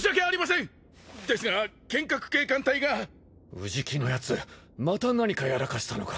宇治木のやつまた何かやらかしたのか？